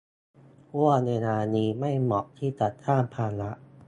ห้วงเวลานี้ไม่เหมาะที่จะสร้างภาระ